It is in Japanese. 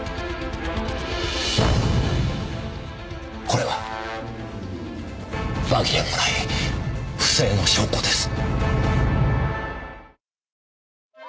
これは紛れもない不正の証拠です。